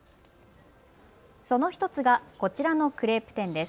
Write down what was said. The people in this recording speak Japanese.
その１つが、こちらのクレープ店です。